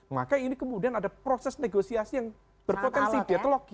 maka ini kemudian ada proses negosiasi yang berpotensi deadlock